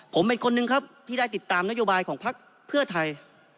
ผมเป็นคนหนึ่งครับที่ได้ติดตามนโยบายของพักเพื่อไทย